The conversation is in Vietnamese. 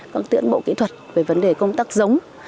các tiến bộ kỹ thuật về vấn đề công tác giống